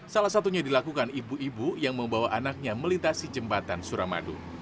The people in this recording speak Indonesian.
salah satunya dilakukan ibu ibu yang membawa anaknya melintasi jembatan suramadu